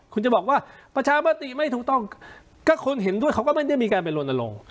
คุณจะบอกว่าประชามติไม่ถูกต้องก็คนเห็นด้วยเขาก็ไม่ได้มีการไปลนลง